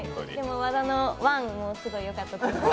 わだのわんもすごくよかったと思います。